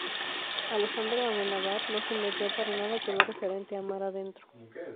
Alejandro Amenábar no se metió para nada con lo referente a "Mar adentro".